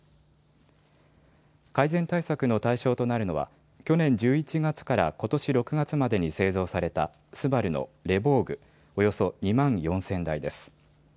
改善対策の対象とするのは、去年１１月からことし６月までに製造された、ＳＵＢＡＲＵのレヴォーグ、およそ２万４０００台です。